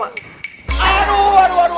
aduh aduh aduh